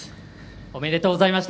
おめでとうございます。